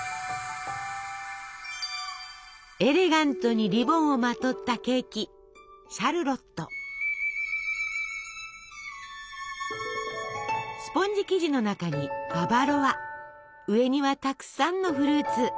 エレガントにリボンをまとったケーキスポンジ生地の中にババロア上にはたくさんのフルーツ。